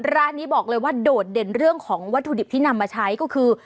ร้านนี้บอกเลยว่าโดดเด่นเรื่องของวัตถุดิบที่นำมาใช้ก็คือ